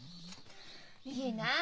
いいなあ